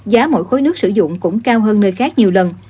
giá mỗi khối nước sử dụng cũng cao hơn nơi khác nhiều lần